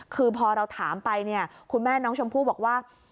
คือพอเราถามไปเนี่ยคุณแม่น้องชมพู่บอกว่า